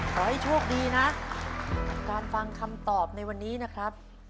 ขอให้โชคดีนะการฟังคำตอบในวันนี้นะครับ